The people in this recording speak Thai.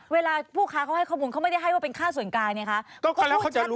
เวลาผู้ค้าเขาให้ข้อมูลเขาไม่ได้ให้ว่าเป็นค่าส่วนกายไงคะ